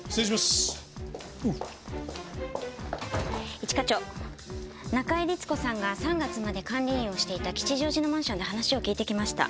一課長中井律子さんが３月まで管理員をしていた吉祥寺のマンションで話を聞いてきました。